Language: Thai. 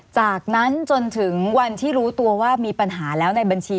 จากนั้นจนถึงวันที่รู้ตัวว่ามีปัญหาแล้วในบัญชี